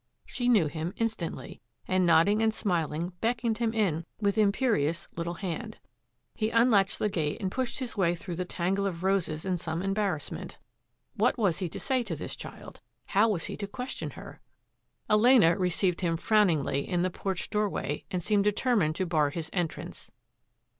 She knew him instantly, and nodding and smil ing, beckoned him in with imperious little hand. He unlatched the gate and pushed his way through the tangle of roses in some embarrassment. What f , WILD ROSE VILLA 167 was he to say to this child? How was he to ques tion her? Elena received him frowningly in the porched doorway and seemed determined to bar his en trance.